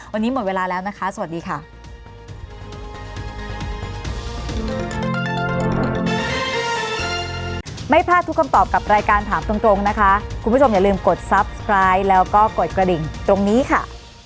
วันนี้หมดเวลาแล้วนะคะสวัสดีค่ะ